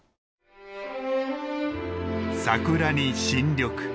桜に新緑。